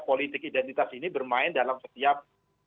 politik identitas ini bermain dalam setiap